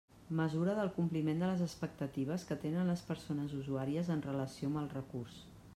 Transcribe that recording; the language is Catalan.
Mesura del compliment de les expectatives que tenen les persones usuàries en relació amb el recurs.